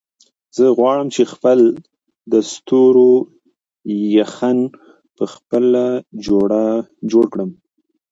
زه غواړم چې خپل د ستورو یخن په خپله جوړ کړم.